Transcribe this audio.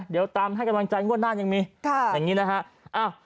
เดี๋ยวตามให้กำลังใจงวดนั้นยังมีค่ะอย่างงี้นะฮะอ้าว